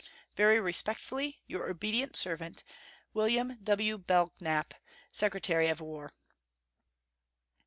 Very respectfully, your obedient servant, WM. W. BELKNAP, Secretary of War.